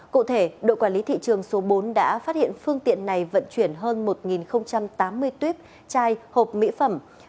cụ thể đội quản lý thị trường số bốn đã phát hiện phương tiện này vận chuyển hơn một tám mươi tuyếp chai hộp mỹ phẩm